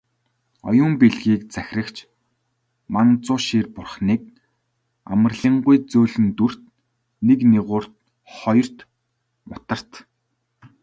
Оюун билгийг захирагч Манзушир бурхныг "амарлингуй зөөлөн дүрт, нэг нигуурт, хоёрт мутарт" хэмээн дүрсэлдэг.